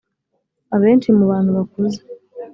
Abenshi mu bantu bakuze